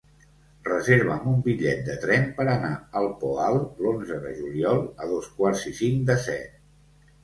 Reserva'm un bitllet de tren per anar al Poal l'onze de juliol a dos quarts i cinc de set.